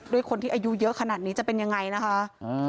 ด้วยคนที่อายุเยอะขนาดนี้จะเป็นยังไงนะคะ